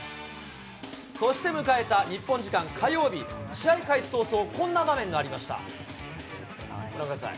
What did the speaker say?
そして迎えた日本時間火曜日、試合開始早々、こんな場面がありました。